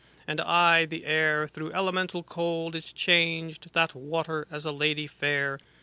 And aye the air, through elemental cold. Is changed, that water, as a lady fair.